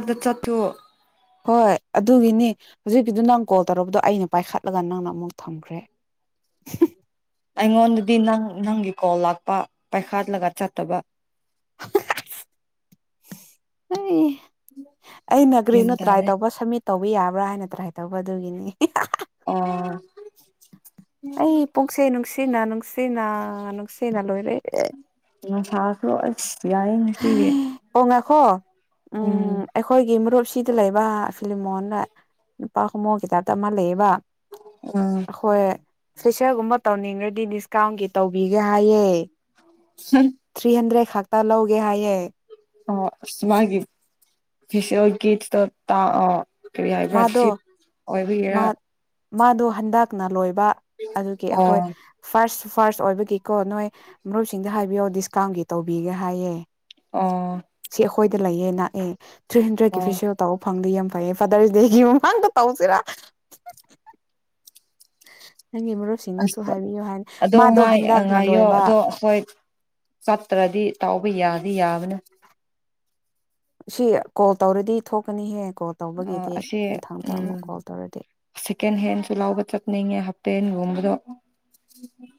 ꯑꯗ ꯆꯠꯊꯣ ꯍꯣꯏ ꯑꯗꯨꯒꯤꯅꯤ ꯍꯧꯖꯤꯛꯀꯤꯗꯨ ꯅꯪ ꯀꯣꯜ ꯇꯧꯛꯔꯕꯗꯣ ꯑꯩꯅ ꯄꯥꯏꯈꯠꯂꯒ ꯅꯪꯅ ꯑꯃꯨꯛ ꯊꯝꯈ꯭ꯔꯦ ꯑꯩꯉꯣꯟꯗꯗꯤ ꯅꯪ ꯅꯪꯒꯤ ꯀꯣꯜ ꯂꯥꯛꯄ ꯄꯥꯏꯈꯥꯠꯂꯒ ꯆꯠꯇꯕ ꯑꯩ ꯒ꯭ꯌꯥꯟ ꯑꯩꯅꯒ꯭ꯔꯤꯅꯣ ꯇ꯭ꯔꯥꯏ ꯇꯥꯔꯦ ꯇꯧꯕ ꯁꯝꯃꯤꯠ ꯇꯧꯕ ꯌꯥꯕ꯭ꯔ ꯕ꯭ꯔꯥ ꯍꯥꯏꯅ ꯇ꯭ꯔꯥꯏ ꯇꯧꯕ ꯑꯗꯨꯒꯤꯅꯤ ꯑ ꯑꯩ ꯄꯨꯡꯁꯦ ꯅꯨꯡꯁꯤ ꯅꯨꯡꯁꯤꯅ ꯅꯨꯡꯁꯤꯅ ꯅꯨꯡꯁꯤꯅ ꯂꯣꯏꯔꯦ ꯎ ꯁꯁꯨ ꯂ ꯌꯥꯏꯌꯦ ꯉꯇꯤꯒꯦ ꯍ ꯎꯝ ꯑꯩꯈꯣꯏꯒꯤꯃꯔꯣꯜ ꯁꯤꯗ ꯂꯩꯕ ꯐꯤꯂꯝ ꯃꯣꯜꯗ ꯅꯨꯄꯥ ꯀꯨꯝꯃꯣꯛ ꯍꯇꯥꯞꯇ ꯑꯃ ꯂꯩꯌꯦꯕ ꯑꯥ ꯍꯣꯏ ꯐꯦꯁꯤꯔꯒꯨꯝꯕ ꯇꯧꯅꯤꯡꯈ꯭ꯔꯗꯤ ꯗꯤꯁꯀꯥꯎꯟꯒꯤ ꯇꯧꯕꯤꯒꯦ ꯍꯥꯏꯌꯦ ꯊ꯭ꯔꯤ ꯍꯟꯗ꯭ꯔꯦꯠ ꯊꯥꯛꯇꯥ ꯂꯣ ꯦ ꯍꯥꯏꯌꯦꯦ ꯑꯣ ꯁꯃꯒꯤꯁꯤꯒꯠ ꯇ ꯇ ꯑ ꯀꯔꯤ ꯍꯥꯏꯕ꯭ꯔ ꯆ ꯑꯣꯏꯕꯒꯔꯥ ꯃꯥꯗꯨꯣ ꯍꯟꯗꯛꯅ ꯂꯣꯏꯕ ꯕ ꯑꯗꯨꯒꯤ ꯑꯣ ꯑꯈꯣꯏ ꯐꯥꯔꯁ ꯐꯥꯔꯁ ꯑꯣꯏꯕꯒꯤꯀꯣ ꯅꯣꯏ ꯃꯔꯨꯞꯁꯤꯡꯗ ꯍꯥꯏꯕꯤꯌꯣ ꯗꯤꯁꯀꯥꯎꯟꯒꯤ ꯇꯧꯕꯤꯒꯦ ꯍꯥꯏꯌꯦ ꯑ ꯁꯤ ꯑꯩꯈꯣꯏꯗ ꯂꯩꯌꯦ ꯅꯥꯛꯑꯦ ꯊ꯭ꯔꯤꯍꯟꯗ꯭ꯔꯦꯠꯀꯤ ꯐꯦꯁꯤꯌꯦꯜ ꯇꯧꯕ ꯐꯪꯗꯦ ꯌꯥꯝ ꯀꯥꯌꯦꯐ ꯐꯥꯗꯔꯁ ꯗꯦꯒꯤ ꯃꯃꯥꯡꯗ ꯇꯧꯁꯤꯔꯥ [inaudible] ꯃꯔꯨꯞꯁꯤꯡꯗꯁꯨ ꯑꯁ ꯍꯥꯏꯕꯤꯌꯨ ꯍꯥꯏꯅ ꯑꯗꯣ ꯃꯥꯗꯣ ꯉꯥꯏ ꯍꯟꯗꯛꯅ ꯉꯥꯏꯌꯣ ꯂꯣꯏꯕ ꯑꯗꯣ ꯍꯣꯏ ꯆꯠꯇ꯭ꯔꯗꯤ ꯇꯥꯎꯕ ꯌꯥꯗꯤ ꯌꯥꯕꯅ ꯁꯤ ꯀꯣꯜ ꯇꯧꯔꯗꯤ ꯊꯣꯛꯀꯅꯤꯍꯦ ꯀꯣꯜ ꯑ ꯇꯧꯕꯒꯤꯗꯤ ꯑꯁꯤ ꯃꯊꯪꯗ ꯎꯝ ꯑꯃꯨꯛ ꯀꯣꯜ ꯇꯧꯔꯗꯤ ꯁꯦꯀꯦꯟ ꯍꯦꯟꯁꯨ ꯂꯥꯎꯕ ꯆꯠꯅꯤꯡꯉꯦ ꯍꯞꯄꯦꯟꯒꯨꯝꯕ ꯂ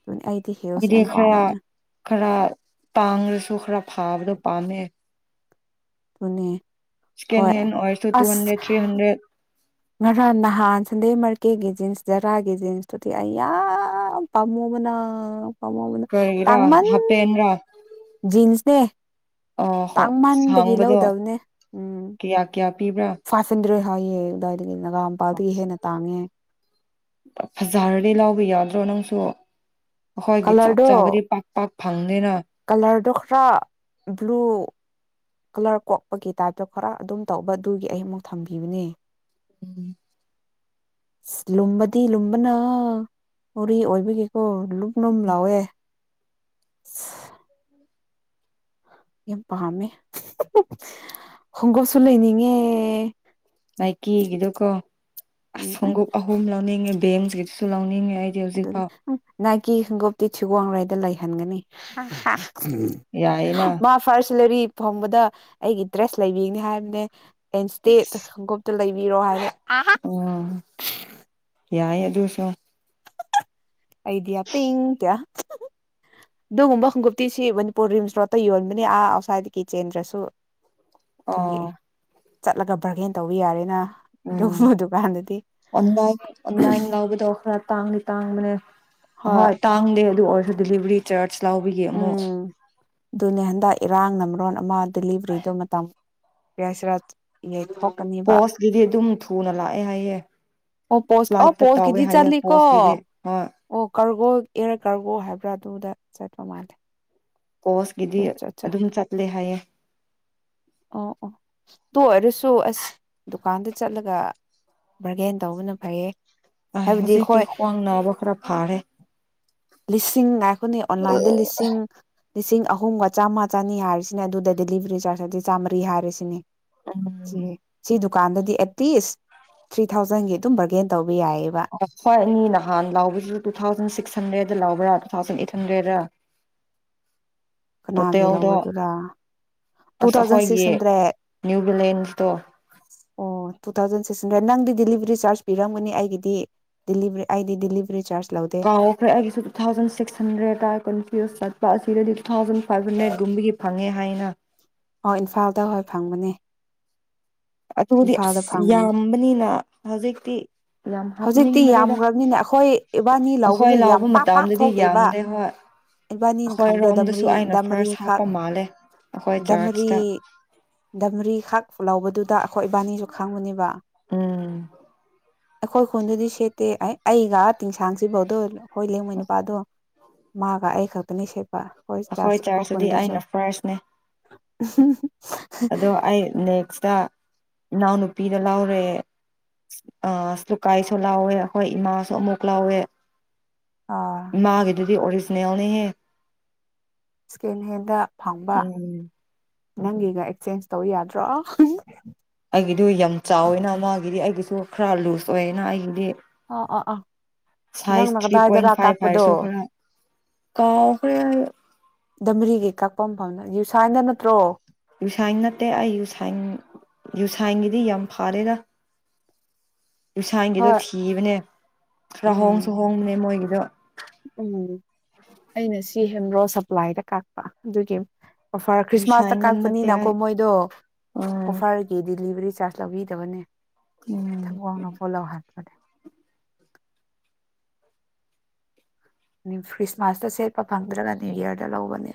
ꯑꯗꯨꯅꯤ ꯑꯩꯗꯤ ꯍꯤꯜꯁ ꯑꯗꯨꯗꯤ ꯌꯥꯝ ꯈꯔ ꯄꯥꯝꯃꯦ ꯈꯔ ꯇꯥꯡꯔꯁꯨ ꯊꯣ ꯈꯔꯥ ꯐꯥꯕꯗꯣ ꯄꯥꯝꯃꯦ ꯄꯨꯅꯦ ꯁꯀꯦꯟ ꯍꯦꯟ ꯑꯣꯏꯔꯁꯨ ꯇꯨ ꯍꯟꯗ꯭ꯔꯦꯠ ꯊ꯭ꯔꯤ ꯍꯟꯗ꯭ꯔꯦꯠ ꯉꯔꯥꯡ ꯅꯍꯥꯟ ꯁꯟꯗꯦ ꯃꯥꯔꯀꯦꯒꯤ ꯖꯤꯟꯁ ꯖꯔꯥꯒꯤ ꯖꯤꯟꯁꯇꯨꯗꯤ ꯑꯩ ꯌꯥꯝ ꯄꯥꯝꯃꯨꯕꯅ ꯄꯥꯝꯄꯨꯕꯅ ꯀꯔꯤꯔꯥ ꯇꯥꯡ ꯃꯟ ꯍꯥꯄꯦꯟꯔꯥ ꯖꯤꯟꯁꯅꯦ ꯑ ꯇꯥꯡ ꯃꯟꯥꯟꯕꯒꯤ ꯍꯥꯡꯕꯗꯣ ꯂꯧꯗꯕꯅꯦ ꯎꯝ ꯀꯌꯥ ꯀꯌꯥ ꯄꯤꯕ꯭ꯔꯥ ꯐꯥꯏꯚ ꯍꯟꯗ꯭ꯔꯦꯠ ꯊꯥꯌꯦ ꯑꯗꯥꯏ ꯑꯗꯒꯤ ꯅꯥꯒꯥꯝꯄꯥꯜꯗꯒꯤ ꯍꯦꯟꯅ ꯇꯥꯡꯉꯦ ꯐꯖꯔꯗꯤ ꯂꯥꯎꯕ ꯌꯥꯎꯗ꯭ꯔꯣ ꯅꯪꯁꯨ ꯑꯍꯣꯏꯒꯤ ꯆꯥꯛ ꯀꯂꯔꯗꯣ ꯆꯥꯕꯗꯤ ꯄꯥꯛ ꯄꯥꯛ ꯐꯪꯗꯦꯅ ꯐ꯭ꯔꯥ ꯕ꯭ꯂꯨ ꯀꯂꯔ ꯀꯣꯛꯄꯒꯤ ꯇꯥꯏꯞꯇ ꯈꯔ ꯑꯗꯨꯝ ꯇꯧꯕꯗꯨꯒꯤ ꯑꯩ ꯑꯃꯨꯛ ꯊꯝꯕꯤꯕꯅꯦ ꯎꯝ ꯁ ꯂꯨꯝꯕꯗꯤ ꯂꯨꯝꯕꯅ ꯃꫭꯔꯦ ꯑꯣꯏꯕꯤꯒꯤꯀꯣ ꯂꯨꯝ ꯂꯨꯝ ꯂꯥꯎꯋꯦ ꯁ ꯌꯥꯝ ꯄꯥꯝꯃꯦ ꯈꯣꯡꯒꯨꯞꯁꯨ ꯂꯩꯅꯤꯡꯉꯦ ꯑꯩ ꯀꯤꯒꯤꯗꯨꯀꯣ ꯑꯁ ꯎꯝ ꯈꫭꯡꯒꯨꯞ ꯑꯍꯨꯝ ꯂꯧꯅꯤꯡꯉꯦ ꯗꯤ ꯑꯦꯝꯖꯤ ꯗꯨꯁꯨ ꯂꯧꯅꯤꯡꯉꯦ ꯑꯩꯗꯤ ꯑꯗꯨꯅꯤ ꯍꯧꯖꯤꯛꯐꯥꯎ ꯍꯍ ꯎꯪ ꯅꯥꯏꯀꯤ ꯈꯪꯒꯨꯞꯇꯤ ꯊꯤꯒꯣꯡꯔꯩꯗ ꯂꯩꯍꯟꯒꯅꯤ ꯍꯥ ꯍꯥ ꯎꯝꯝ ꯌꯥꯏꯌꯦꯅ ꯃꯥ ꯐꯥꯔꯁ ꯁꯦꯂꯔꯤ ꯐꯪꯕꯗ ꯑꯩꯒꯤ ꯗ꯭ꯔꯦꯁ ꯂꯩꯕꯤꯅꯤ ꯍꯥꯏꯕꯅꯦ ꯑꯦꯝꯁꯇꯦ ꯊ ꯒꯣꯞꯇ ꯂꯩ ꯕꯤꯔꯣ ꯍꯥꯏꯕ ꯎꯝꯝ ꯌꯥꯏ ꯑꯗꯨꯁꯨ ꯑꯩꯗꯤ ꯌꯥ ꯇꯤꯡ ꯇꯤꯌꯥ ꯑꯗꯨꯒꯨꯝꯕ ꯈꯣꯡꯒꯨꯞꯇꯤ ꯁꯤ ꯃꯅꯤꯄꯨꯔ ꯔꯤꯝꯁ ꯔꯣꯗꯠꯇ ꯌꯣꯟꯕꯅꯤ ꯑꯥ ꯑꯥꯎꯠꯁꯥꯏꯗ ꯒꯤ ꯆꯦꯟꯗ꯭ꯔꯁꯨ ꯑꯗꯨꯒꯤ ꯑꯣ ꯆꯠꯂꯒ ꯕꯔꯒꯦꯟ ꯇꯧꯕ ꯌꯥꯔꯦꯅ ꯎꯝ ꯑꯗꯨꯒꯨꯝꯕ ꯗꯨꯀꯥꯟꯗꯗꯤ ꯑꯣꯟꯂꯥꯏꯟ ꯑꯣꯟꯂꯥꯏꯟ ꯂꯧꯕꯗꯣ ꯈꯔ ꯇꯥꯡꯗꯤ ꯇꯥꯡꯕꯅꯦ ꯍꯣꯏ ꯇꯥꯡꯗꯦ ꯑꯗꯨ ꯑꯣꯏ ꯗ ꯗꯤꯂꯤꯚ꯭ꯔꯤ ꯆꯥꯔꯖ ꯂꯥꯎꯕꯒꯤ ꯑꯃꯨꯛ ꯎꯝ ꯑꯗꯨꯅꯦ ꯍꯟꯗꯛ ꯏꯔꯥꯡꯅ ꯃꯔꯣꯟ ꯑꯃ ꯗꯤꯂꯤꯚ꯭ꯔꯤꯗꯨ ꯃꯇꯝ ꯌꯦꯡꯁꯤꯔꯥ ꯌꯦꯡꯊꯣꯛ ꯄꯣꯁꯒꯤꯗꯤ ꯑꯗꯨꯝ ꯊꯨ- ꯊꯨꯅ ꯂꯥꯛꯑꯦ ꯍꯥꯏꯌꯦ ꯑꯣ ꯄꯣꯁ ꯑꯣ ꯐ꯭ꯂꯥꯏꯠꯇ ꯄꯣꯁ ꯇꯧꯋꯦ ꯀꯤꯗꯤ ꯍꯥꯏꯌꯦ ꯆꯠꯂꯤꯀꯣ ꯄꯣꯁꯀꯤꯗꯤ ꯍꯣꯏ ꯑꯣ ꯀꯔꯨ- ꯕꯣꯜ ꯑꯦꯌꯔ ꯀꯥꯔꯒꯣ ꯍꯥꯏꯕ꯭ꯔꯥ ꯑꯗꯨꯗ ꯆꯠꯄ ꯃꯥꯜꯂꯦ ꯀꯣꯁꯀꯤꯗꯤ ꯆꯠ ꯆꯠ ꯑꯗꯨꯝ ꯆꯠꯂꯦ ꯍꯥꯏꯌꯦ ꯑꯣ ꯑꯣ ꯇꯨ ꯑꯣꯏꯔꯁꯨ ꯑꯁ ꯗꯨꯀꯥꯟꯗ ꯆꯠꯂꯒ ꯕꯥꯔꯒꯦꯟ ꯇꯧꯕꯅ ꯐꯩꯌꯦ ꯍꯥꯏꯕꯗꯤ ꯍꯧꯖꯤꯛꯇꯤ ꯑꯩꯈꯣꯏ ꯈ꯭ꯋꯥꯡ ꯅꯥꯕ ꯈꯔ ꯐꯥꯔꯦ ꯂꯤꯁꯤꯡ ꯉꯥꯏꯈꯣꯅꯦ ꯑꯣꯟꯂꯥꯏꯟꯗ ꯂꯤꯁꯤꯡ ꯂꯤꯁꯤꯡ ꯑꯍꯨꯝꯒ ꯆꯥꯝꯃꯥ ꯆꯅꯤ ꯍꯥꯏꯔꯁꯤꯅꯦ ꯑꯗꯨꯗ ꯗꯦꯂꯤꯚ꯭ꯔꯤ ꯆꯥꯔꯖ ꯍꯥꯏꯗꯤ ꯆꯥꯝꯃꯔꯤ ꯍꯥꯏꯔꯁꯤꯅꯦ ꯏꯍꯦ ꯁꯤꯗꯨ ꯗꯨꯀꯥꯟꯗꯗꯤ ꯑꯦꯠꯂꯤꯁ ꯊ꯭ꯔꯤ ꯊꯥꯎꯖꯟꯒꯤ ꯑꯗꯨꯝ ꯕꯔꯒꯦꯟ ꯇꯧ ꯑꯣ ꯑꯈꯣꯏ ꯑꯅꯤ ꯅꯍꯥꯟ ꯂꯥꯎꯕꯖꯨ ꯇꯨ ꯊꯥꯎꯖꯟ ꯁꯤꯛꯁ ꯍꯟꯗ꯭ꯔꯦꯠ ꯗ ꯂꯥꯎꯕ꯭ꯔꯥ ꯇꯨ ꯊꯥꯎꯖꯟ ꯑꯦꯠ ꯍꯟꯗ꯭ꯔꯦꯠꯔ ꯀꯅꯥꯒꯤ ꯂꯥꯎꯕꯗꯨꯔꯥ ꯇꯨ ꯑꯁ ꯊꯥꯎꯖꯟ ꯁꯤꯛꯁ ꯑꯩꯈꯣꯏꯒꯤ ꯍꯟꯗ꯭ꯔꯦꯠ ꯅ꯭ꯌꯨ ꯕꯦꯂꯦꯟꯁꯇꯣ ꯑꯣ ꯇꯨ ꯊꯥꯎꯖꯟ ꯁꯤ ꯇꯨꯁꯤꯟꯗ꯭ꯔꯦ ꯅꯪꯗꯤ ꯗꯤꯂꯤꯚ꯭ꯔꯤ ꯆꯥꯔꯖ ꯄꯤꯔꯝꯒꯅꯤ ꯑꯩꯒꯤꯗꯤ ꯗꯤꯂꯤꯚ꯭ꯔꯤ ꯑꯩꯗꯤ ꯗꯤꯂꯤꯚ꯭ꯔꯤ ꯆꯥꯔꯖ ꯂꯧꯗꯦ ꯀꯥꯎꯈ꯭ꯔꯦ ꯑꯩꯒꯤꯁꯨ ꯇꯨ ꯊꯥꯎꯖꯟ ꯁꯤꯛꯁ ꯍꯟꯗ꯭ꯔꯦꯠ ꯇꯥꯏ ꯀꯟꯐ꯭ꯌꯨꯁ ꯆꯠ- ꯕꯥꯏ ꯑꯁꯤꯗꯗꯤ ꯇꯨ ꯊꯥꯎꯟ ꯐꯕꯅꯒꯨꯝꯕꯒꯤ ꯐꯪꯉꯦ ꯊꯥꯏꯅ ꯑꯣ ꯏꯝꯐꯥꯜꯗ ꯍꯣꯏ ꯐꯪꯕꯅꯦ ꯑꯗꯨꯕꯨꯗꯤ ꯏꯝꯐꯥꯜꯗ ꯑꯁ ꯐꯪꯕꯅꯦ ꯌꯥꯝꯕꯅꯤꯅ ꯍꯧꯖꯤꯛꯇꯤ ꯌꯥꯝ ꯍꯧꯖꯤꯛꯇꯤ ꯍꯥꯞꯅꯤꯡꯗ꯭ꯔꯦꯗ ꯌꯥꯝꯈ꯭ꯔꯕꯅꯤꯅ ꯑꯩꯈꯣꯏ ꯏꯕꯥꯅꯤ ꯑꯩꯈꯣꯏ ꯂꯧꯕꯗ ꯌꯥꯝ ꯂꯥꯎꯕ ꯄꯥꯛ ꯄꯥꯛ ꯃꯇꯝꯗꯗꯤ ꯊꯣꯛꯇꯦꯕ ꯌꯥꯝꯗꯦ ꯍꯣꯏ ꯏꯕꯥꯅꯤꯅ ꯈꯥꯡꯗ ꯑꯩꯈꯣꯏꯔꯣꯝꯗꯁꯨ ꯗꯥꯝꯔꯤ ꯑꯩꯅ ꯗꯥꯝꯔꯤ ꯐꯥꯔꯁ ꯈꯥ ꯍꯥꯞꯄ ꯃꯥꯜꯂꯦ ꯑꯩꯈꯣꯏ ꯗꯝꯔꯤ ꯆꯔꯆꯇ ꯗꯝꯔꯤ ꯐ ꯈꯥꯛ ꯂꯧꯕꯗꯨꯗ ꯑꯩꯈꯣꯏ ꯏꯕꯥꯅꯤꯁꯨ ꯈꯪꯉꯨꯅꯦꯕ ꯎꯝ ꯑꯩꯈꯣꯏ ꯈꯨꯟꯗꯨꯗꯤ ꯁꯦꯠꯇꯦ ꯑꯩ ꯑꯩꯒ ꯇꯤꯡꯁꯥꯡꯁꯤꯐꯧꯗꯣ ꯍꯣꯏ ꯂꯦꯡꯉꯣꯏ ꯅꯨꯄꯥꯗꯣ ꯃꯥ ꯕꯥ ꯑꯩ ꯈꯛꯇꯅꯤ ꯁꯦ ꯑꯩꯈꯣꯏ ꯆꯥꯔꯆꯗꯗꯤ ꯑꯩꯅ ꯐꯔꯁꯤꯅꯦ ꯎꯝꯍꯝꯍꯝ ꯑꯗꯣ ꯑꯩ ꯅꯦꯛꯁꯇ ꯏꯅꯥꯎꯅꯨꯄꯤꯗ ꯂꯥꯎꯔꯦ ꯑ ꯁ ꯂꯨꯀꯥꯏꯁꯨ ꯂꯥꯎꯋꯦ ꯍꯣꯏ ꯏꯃꯥꯁꯨ ꯑꯃꯨꯛ ꯂꯥꯎꯋꯦ ꯑꯥ ꯃꯥꯒꯤꯗꯤ ꯑꯣꯔꯤꯖꯤꯆꯦꯜꯅꯦꯍꯦ ꯁꯀꯦꯟꯍꯦꯟꯗ ꯐꯪꯕ ꯅꯪꯒꯤꯒ ꯑꯦꯛꯆꯦꯟꯁ ꯇꯧ ꯌꯥꯗ꯭ꯔꯣ ꯑꯩꯒꯤꯗꯨ ꯌꯥꯝ ꯆꯥꯎꯋꯤꯅ ꯃꯥꯒꯤꯗꯤ ꯑꯩꯒꯤꯁꯨ ꯈꯔ ꯂꯨꯁ ꯑꯣꯏꯌꯦꯅ ꯑꯩꯒꯤꯗꯤ ꯑꯥ ꯑꯥ ꯅꯪꯅ ꯁꯥꯏꯁ ꯊ꯭ꯔꯤ ꯄꯣꯏꯟ ꯀꯗꯥꯏꯗꯔꯥ ꯐꯥꯏꯚ ꯀꯥꯛꯄꯗꯣ ꯍꯥꯏꯔꯁꯨ ꯈꯔ ꯀꯥꯎꯈꯔꯦ ꯗꯃꯔꯤꯒꯤ ꯀꯛꯄ ꯃꯐꯝꯗ ꯌꯨꯁꯥꯏꯅ ꯅꯠꯇ꯭ꯔꯣ ꯌꯨꯁꯥꯏꯟ ꯅꯠꯇꯦ ꯑꯩ ꯌꯨꯁꯥꯏ ꯌꯨꯁꯥꯏꯒꯤꯗꯤ ꯌꯥꯝ ꯐꯥꯔꯦꯗ ꯌꯨꯁꯥꯡꯒꯤꯗꯣ ꯍꯣꯏ ꯊꯤꯕꯅꯦ ꯈꯔ ꯎꯝ ꯍꯣꯡꯁꯨ ꯍꯣꯡꯕꯅꯦ ꯃꯣꯏꯒꯤ ꯌꯣ ꯇ꯭ꯌꯨꯁꯟꯔꯣ ꯁꯄ꯭ꯂꯥꯏꯗ ꯀꯥꯛꯄ ꯑꯗꯨꯒꯤ ꯑꯣꯐꯔ ꯈ꯭ꯔꯤꯁꯃꯥꯁꯇ ꯌꯨꯁꯥꯏꯟꯗ ꯅꯠꯇꯦ ꯀꯥꯛꯄꯅꯤꯅꯀꯣ ꯑꯩ ꯃꯣꯏꯗꯣ ꯑꯥ ꯑꯣꯐꯔꯒꯤ ꯗꯤꯂꯤꯚꯔꯤ ꯆꯥꯔꯖ ꯂꯧꯕꯤꯗꯕꯅꯦ ꯎꯝ ꯊꯪꯋꯥꯡꯅ ꯄꯣꯂꯥꯎ ꯍꯥꯟꯕꯅꯦ ꯈ꯭ꯔꯤꯁꯃꯥꯁꯇ ꯁꯦꯠꯄ ꯐꯪꯗ꯭ꯔꯒ ꯅ꯭ꯌꯨ ꯌꯤꯑꯔꯗ ꯂꯧꯕꯅꯦ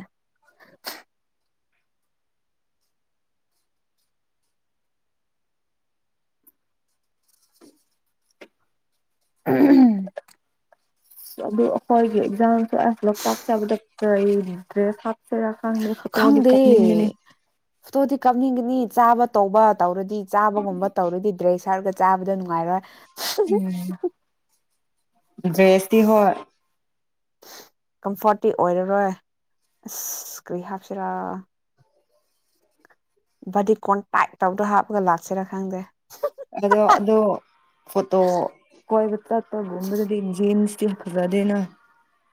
ꯎꯍꯨꯝ ꯑꯗꯨ ꯑꯩꯈꯣꯏꯒꯤ ꯑꯦꯛꯖꯝꯁꯨ ꯑ ꯂꯣꯛꯇꯥꯛ ꯆꯠꯄꯗ ꯀꯔꯤ ꯗ꯭ꯔꯦꯁ ꯍꯥꯞ ꯐꯔ ꯈꯪꯂꯦ ꯐꯣꯇꯣꯗꯨ ꯀꯛꯅꯤꯡꯒꯅꯤ ꯐꯇꯣꯗꯤ ꯀꯥꯞꯅꯤꯡꯒꯅꯤ ꯆꯥꯕ ꯇꯧꯕ ꯇꯧꯔꯗꯤ ꯆꯥꯕꯒꯨꯝꯕ ꯇꯧꯔꯗꯤ ꯗ꯭ꯔꯦꯁ ꯍꯥꯏꯔꯒ ꯆꯥꯕꯗ ꯅꯨꯡꯉꯥꯏꯔꯣꯏ ꯎꯝ ꯗ꯭ꯔꯦꯁꯤ ꯍꯣꯏ ꯀꯝꯐꯣꯔꯠꯇꯤ ꯑꯣꯏꯔꯔꯣꯏ ꯑꯁ ꯀ꯭ꯔꯤ ꯍꯥꯞꯁꯤꯔ ꯚꯗꯤ ꯀꯣꯟꯇꯥꯏ ꯇꯧꯗ ꯍꯥꯞꯄꯒ ꯂꯥꯛꯁꯤꯔꯥ ꯈꯪꯗꯦ ꯑꯗꯣ ꯑꯗꯣ ꯐꯣꯇꯣ ꯀꯣꯏꯕ ꯇꯠꯄꯒꯨꯝꯕꯗꯗꯤ ꯖꯤꯟꯁꯇ ꯌꯥꯝ ꯐꯖꯗꯦꯅ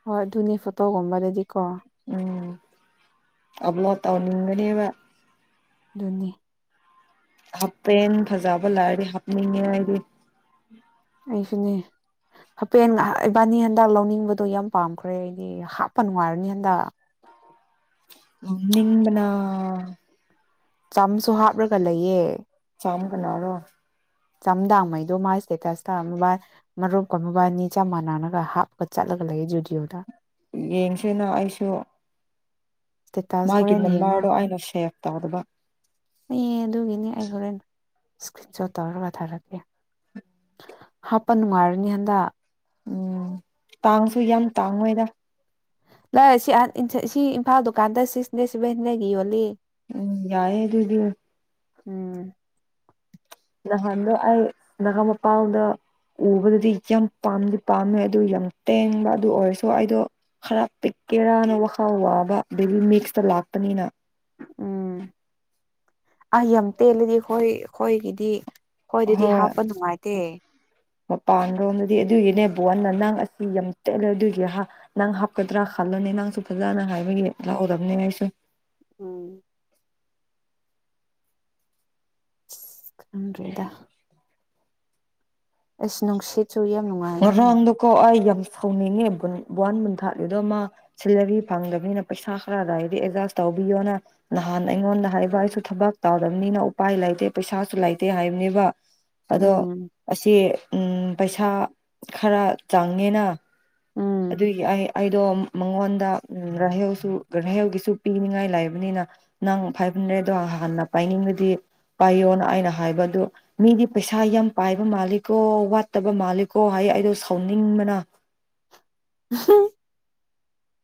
ꯍꯣꯏ ꯑꯗꯨꯅꯦ ꯐꯣꯇꯣꯒꯨꯝꯕꯗꯗꯤ ꯀꯣ ꯎꯝ ꯑꯞꯂꯣꯗ ꯇꯧꯅꯤꯡꯒꯅꯦꯕ ꯑꯗꯨꯅꯤ ꯍꯥꯞꯄꯦꯅ ꯐꯖꯕ ꯂꯥꯛꯗꯤ ꯍꯥꯞꯅꯤꯡꯉꯦ ꯍꯥꯏꯗꯤ ꯑꯩꯁꯨꯅꯦ ꯍꯥꯏꯄꯦꯟ ꯏꯕꯥꯅꯤ ꯍꯟꯗꯛ ꯂꯧꯅꯤꯡꯕꯗꯣ ꯌꯥꯝ ꯄꯥꯝꯈ꯭ꯔꯦ ꯑꯩꯗꯤ ꯍꯥꯞꯄ ꯅꯨꯡꯉꯥꯏꯔꯅꯤ ꯍꯟꯗꯛ ꯎ ꯅꯤꯡꯝꯕꯅ ꯆꯝꯁꯨ ꯍꯥꯞꯂꯒ ꯂꯩꯌꯦ ꯀꯝ ꯀꯅꯥ ꯂꯣ ꯆꯝꯗꯥꯡꯉꯩꯗꯣ ꯃꯥꯁ ꯁ ꯃꯔꯨꯞ ꯑꯩꯣꯏ ꯃꯕꯥꯅꯤ ꯆꯞ ꯃꯥꯟꯅꯒ ꯍꯥꯞ ꯀ ꯆꯂꯣ ꯀꯧꯕ ꯌꯨꯗꯤꯑꯣꯗ ꯌꯦꯡꯁꯤꯅ ꯑꯩꯁꯨ ꯏꯁꯇꯦꯇꯥꯁ ꯃꯥꯒꯤ ꯍꯣꯔꯦꯟ ꯌꯦꯡꯉꯣ ꯅꯝꯕꯔꯗꯣ ꯑꯩꯅ ꯁꯦꯚ ꯇꯧꯔꯕ ꯑꯦ ꯑꯗꯨꯒꯤꯅꯤ ꯑꯩ ꯍꯣꯔꯦꯟ ꯏꯁꯀ꯭ꯔꯤꯟ ꯁꯣꯠ ꯇꯧꯔꯒ ꯊꯥꯔꯛꯀꯦ ꯍꯥꯞꯄ ꯅꯨꯡꯉꯥꯏꯔꯅꯤ ꯍꯟꯗꯛ ꯎꯝ ꯇꯥꯡꯁꯨ ꯌꯥꯝ ꯇꯥꯡꯉꯣꯏꯗ ꯂꯦ ꯁꯤ ꯁꯤ ꯏꯝꯐꯥꯜ ꯗꯨꯀꯥꯟꯗ ꯁꯤꯛꯁꯅꯦ ꯁꯚꯦꯟꯅꯦꯒꯤ ꯌꯣꯜꯂꯤ ꯎꯝ ꯌꯥꯏꯦ ꯑꯗꯨꯗꯤ ꯎꯝ ꯅꯍꯥꯟꯗꯣ ꯑꯩ ꯒꯥ ꯃꯄꯜꯗ ꯎꯕꯗꯗꯤ ꯌꯥꯝ ꯄꯥꯝꯗꯤ ꯄꯥꯝꯃꯦ ꯑꯗꯨ ꯌꯥꯝ ꯇꯦꯡꯕ ꯑꯗꯨ ꯑꯣꯏꯔꯁꯨ ꯑꯩꯗꯣ ꯈꯔ ꯄꯤꯛꯀꯦꯔꯥꯅ ꯋꯥꯈꯥꯎ ꯋꯥꯕ ꯕꯦꯕꯤ ꯃꯤꯛꯁꯇ ꯂꯥꯛꯄꯅꯤꯅ ꯎꯝ ꯑ ꯌꯥꯝ ꯇꯦꯜꯂꯗꯤ ꯍꯣꯏ ꯑꯩꯈꯣꯏꯒꯤꯗꯤ ꯍꯣꯏ ꯑꯗꯨꯗꯤ ꯍꯥꯞꯄ ꯅꯨꯡꯉꯥꯏꯇꯦ ꯃꯄꯥꯟꯂꯣꯝꯗꯗꯤ ꯑꯗꯨꯒꯤꯅꯦ ꯕꯣꯟꯅ ꯅꯪ ꯑꯁꯤ ꯌꯥꯝ ꯇꯠꯂꯦ ꯑꯗꯨꯏꯒꯤ ꯅꯪ ꯍꯥꯞꯀꯗ꯭ꯔꯥ ꯈꯜꯂꯣꯅꯦ ꯅꯪꯁꯨ ꯐꯖꯅ ꯍꯥꯏꯕꯒꯤ ꯂꯥꯛꯍꯧꯗꯔꯕꯅꯦ ꯑꯩꯁꯨ ꯎꯝ [unintelligible] ꯅꯟꯔꯤꯗ ꯑꯦꯁ ꯅꯨꯡꯁꯤꯠ ꯔꯪꯗꯨ ꯀ ꯑꯩ ꯍꯧꯅꯤꯡꯉꯦ ꯕꯟꯕꯨꯟꯊꯥꯂꯤꯗꯣ ꯃꯥ ꯁꯦꯂꯔꯤ ꯐꯪꯗꯕꯅꯤꯅ ꯄꯩꯁꯥ ꯈꯔ ꯗꯥꯏꯔꯗꯤ ꯑꯦꯗꯖꯁ ꯇꯧꯕꯤꯌꯣꯅ ꯅꯍꯥꯟ ꯑꯩꯉꯣꯟꯗ ꯍꯥꯏꯕ ꯑꯩꯁꯨ ꯊꯕꯛ ꯇꯧꯗꯕꯅꯤꯅ ꯎꯄꯥꯏ ꯂꯩꯇꯦ ꯄꯩꯁꯥꯁꯨ ꯂꯩꯇꯦ ꯍꯥꯏꯕꯅꯤꯕ ꯑꯗꯣ ꯎꯝ ꯑꯁꯤ ꯎꯝ ꯄꯩꯁꯥ ꯈꯔ ꯆꯪꯉꯦꯅ ꯎꯝ ꯑꯗꯨꯒꯤ ꯑꯩ ꯑꯩꯗꯣ ꯃꯉꯣꯟꯗ ꯎꯝ ꯔꯍꯧꯁꯨ ꯔꯍꯧꯒꯤꯁꯨ ꯄꯤꯅꯤꯡꯉꯥꯏ ꯂꯩꯥꯏꯕꯅꯤꯅ ꯅꯪ ꯐꯥꯏꯚ ꯍꯟꯗ꯭ꯔꯦꯗꯗꯣ ꯍꯥꯟꯅ ꯄꯥꯏꯅꯤꯡꯕꯗꯤ ꯄꯥꯏꯌꯣꯅ ꯑꯩꯅ ꯍꯥꯏꯕ ꯑꯗꯨ ꯃꯤꯗꯤ ꯄꯩꯁꯥ ꯌꯥꯝ ꯄꯥꯏꯕ ꯃꯥꯜꯂꯤꯀꯣ ꯋꯥꯠꯇꯕ ꯃꯥꯜꯂꯤꯀꯣ ꯍꯥꯏ ꯑꯩꯗꯣ ꯁꯥꯎꯅꯤꯡꯕꯅ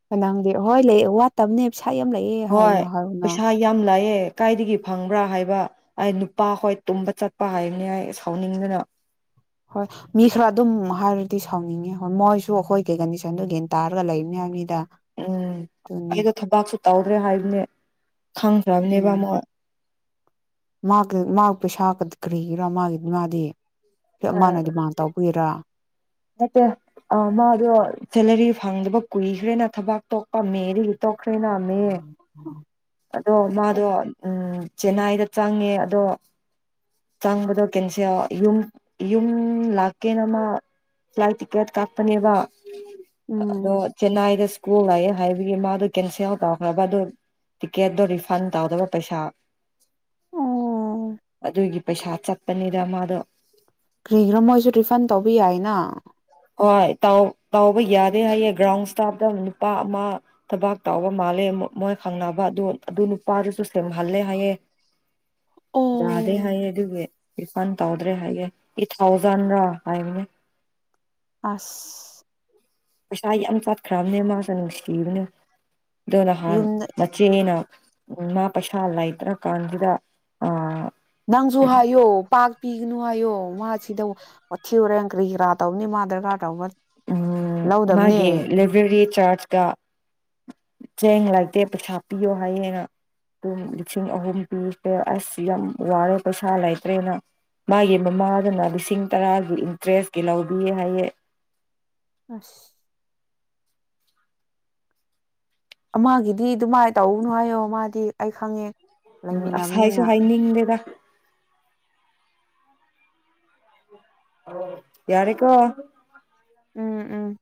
ꯀꯅꯥ ꯍꯣꯏ ꯂꯩ ꯋꯥꯠꯇꯕꯅꯦ ꯄꯩꯁꯥ ꯌꯥꯝ ꯂꯩꯑꯦ ꯍꯣꯏ ꯍꯥꯏꯅ ꯍꯥꯏꯔꯨꯅ ꯄꯩꯁꯥ ꯌꯥꯝ ꯂꯥꯑꯦ ꯂꯩꯀꯥꯏꯗꯒꯤ ꯐꯪꯕ꯭ꯔꯥ ꯍꯥꯏꯕ ꯍꯥꯏ ꯅꯨꯄꯥ ꯍꯣꯏ ꯇꯨꯝꯕ ꯆꯠꯄ ꯍꯥꯏꯕꯅꯤ ꯍꯥꯏ ꯁꯥꯎꯅꯤꯡꯗꯅ ꯍꯣꯏ ꯃꯤ ꯈꯔ ꯑꯗꯨꯝ ꯍꯥꯏꯔꯗꯤ ꯁꯥꯎꯅꯤꯡꯉꯦ ꯍꯣꯏ ꯃꯣꯏꯁꯨ ꯑꯩꯈꯣꯏꯒꯤ ꯀꯟꯗꯤꯁꯟꯗꯨ ꯒꯤꯟꯇꯥꯔꯒ ꯂꯩꯕꯅꯤ ꯍꯥꯏꯕꯅꯤꯗ ꯎꯝ ꯑꯗꯨꯅꯦ ꯑꯩꯗꯣ ꯊꯕꯥꯛꯁꯨ ꯇꯧꯗ꯭ꯔꯦ ꯍꯥꯏꯕꯅꯦ ꯈꯪꯈ꯭ꯔꯥꯝꯅꯦꯕ ꯃꯣ ꯃꯥꯀ ꯃꯥ ꯄꯩꯁꯥ ꯀꯑꯩꯒꯤꯔꯥ ꯃꯥꯒꯤ ꯃꯥꯗꯤ ꯍ ꯑꯥ ꯃꯥꯅ ꯗꯤꯃꯥꯟ ꯇꯧꯕꯒꯤꯔꯥ ꯅꯠꯇꯦ ꯑ ꯃꯥꯗꯣ ꯁꯦꯂꯔꯤ ꯐꯪꯗꯕ ꯀꯨꯏꯈ꯭ꯔꯦꯅ ꯊꯕꯛ ꯇꯣꯛꯄ ꯃꯦꯗꯒꯤ ꯇꯣ ꯈ꯭ꯔꯦꯅꯥ ꯃꯦ ꯑꯗꯣ ꯃꯥꯗꯣ ꯎꯝ ꯆꯦꯟꯅꯥꯏꯗ ꯆꯪꯉꯦ ꯑꯗꯣ ꯆꯪꯕꯗꯣ ꯀꯦꯟꯁꯦꯜ ꯌꯨꯝ ꯌꯨꯝ ꯂꯥꯛꯀꯦꯅ ꯃꯥ ꯐ꯭ꯂꯥꯏꯠ ꯇꯤꯀꯦꯠ ꯀꯛꯄꯅꯦꯕ ꯑꯗꯣ ꯎꯝ ꯆꯅꯥꯏꯗ [unintelligible] ꯂꯥꯛꯑꯦ ꯍꯥꯏꯕꯒꯤ ꯃꯥꯗꯣ ꯀꯦꯟꯁꯦꯜ ꯇꯧꯈ꯭ꯔꯕ ꯑꯗꯨ ꯇꯤꯛꯀꯦꯠꯇꯣ ꯔꯤꯐꯟ ꯇꯧꯗꯕ ꯄꯩꯁꯥ ꯑꯣ ꯑꯗꯨꯒꯤ ꯄꯩꯁꯥ ꯆꯠꯄꯅꯤꯗ ꯃꯥꯗꯣ ꯀꯔꯤꯒꯤꯔꯥ ꯃꯣꯏꯁꯨ ꯔꯤꯐꯟ ꯇꯧꯕ ꯌꯥꯏꯅ ꯍꯣꯏ ꯇꯥꯎ ꯇꯥꯎꯕ ꯌꯥꯗꯦ ꯍꯥꯏꯌꯦ ꯒ꯭ꯔꯥꯎꯟ ꯏꯁꯇꯥꯞꯇ ꯅꯨꯄꯥ ꯑꯃ ꯊꯕꯥꯛ ꯇꯥꯎꯕ ꯃꯥꯜꯂꯦ ꯃꯣꯏ ꯈꯪꯅꯕ ꯑꯗꯨ ꯑꯗꯨ ꯅꯨꯄꯥꯗꯨꯁꯨ ꯁꯇꯦꯝ ꯍꯜꯂꯦ ꯍꯥꯏꯌꯦ ꯖꯥꯗꯦ ꯑꯣ ꯍꯥꯏꯌꯦ ꯑꯗꯨꯒꯤ ꯔꯤꯐꯟ ꯇꯧꯗ꯭ꯔꯦ ꯍꯥꯏꯌꯦ ꯑꯦ ꯊꯥꯎꯖꯟꯔꯥ ꯍꯥꯏꯕꯅꯦ ꯑꯁ ꯄꯩꯁꯥ ꯌꯥꯝ ꯆꯠꯈ꯭ꯔꯝꯅꯦ ꯃꯥꯁꯨ ꯅꯨꯡꯁꯤꯕꯅꯦ ꯗꯣ ꯅꯍꯥꯟ ꯌꯨꯝꯗ ꯃꯆꯤꯅꯤꯅ ꯎ ꯃꯥ ꯄꯩꯁꯥ ꯂꯩꯇ꯭ꯔꯀꯥꯟꯁꯤꯗ ꯑ ꯅꯪꯁꯨ ꯍꯥꯏꯌꯣ ꯄꯥꯛ ꯄꯤꯒꯅꯨ ꯍꯥꯏꯌꯣ ꯃꯥꯁꯤꯗ ꯋꯥꯊꯤ ꯍꯣꯔꯦꯟ ꯀ꯭ꯔꯤ ꯀꯔꯥ ꯇꯧꯕꯅꯤ ꯃꯥ ꯗꯔꯀꯥꯔ ꯇꯧꯕ ꯎꯝ ꯃꯥꯒꯤ ꯂꯧꯗꯕꯅꯦ ꯂꯦꯕꯔ꯭ꯦꯔꯤ ꯆꯥꯔꯖꯀ ꯆꯦꯡ ꯂꯩꯇꯦ ꯄꯩꯁꯥ ꯄꯤꯌꯣ ꯍꯥꯏꯌꯦꯅ ꯑꯗꯨꯝ ꯂꯤꯁꯤꯡ ꯑꯍꯨꯝ ꯄꯤꯈꯔ꯭ꯦ ꯑꯁ ꯌꯥꯝ ꯋꯥꯔꯦ ꯄꯩꯁꯥ ꯂꯩꯇ꯭ꯔꯦꯅ ꯃꯥꯒꯤ ꯃꯃꯥꯗꯨꯅ ꯂꯤꯁꯤꯡ ꯇꯔꯥꯒꯤ ꯏꯟꯇꯔꯦꯁꯀꯤ ꯂꯧꯕꯤ ꯍꯥꯏꯌꯦ ꯑꯁ ꯑꯃꯃꯒꯤꯗꯤ ꯑꯗꯨꯃꯥꯏꯅ ꯇꯧꯅꯨ ꯍꯥꯏꯌꯣ ꯃꯥꯗꯤ ꯑꯩ ꯈꯪꯉꯦ ꯎꯝ ꯑꯁ ꯂꯩꯃꯤꯟꯅꯕꯅꯤꯅ ꯍꯥꯏꯁꯨ ꯍꯥꯏꯅꯤꯡꯗꯦꯗ ꯌꯥꯔꯀꯣ ꯎꯝ ꯎꯝ